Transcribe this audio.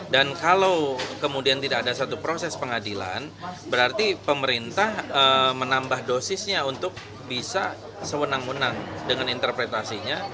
dan kalau kemudian tidak ada satu proses pengadilan berarti pemerintah menambah dosisnya untuk bisa sewenang wenang dengan interpretasinya